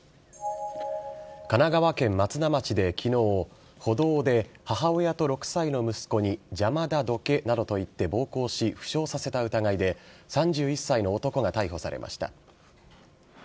神奈川県松田町できのう、歩道で母親と６歳の息子に邪魔だ、どけなどと言って暴行し、負傷させた疑いで、３１歳の男が逮捕されました。